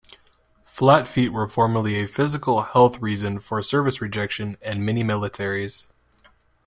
Flat feet were formerly a physical-health reason for service-rejection in many militaries.